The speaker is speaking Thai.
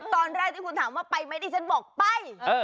ตอนแรกที่คุณถามว่าไปไหมดิฉันบอกไป